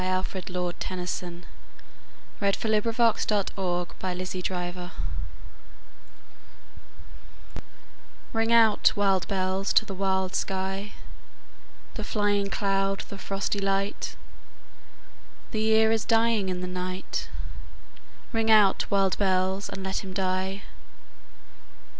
Alfred, Lord Tennyson Ring Out, Wild Bells RING out, wild bells, to the wild sky, The flying cloud, the frosty light; The year is dying in the night; Ring out, wild bells, and let him die.